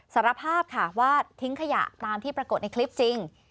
สารภาพค่ะว่าทิ้งขยะตามที่ปรากฏในคลิปจริง